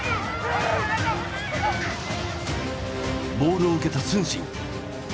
ボールを受けた承信。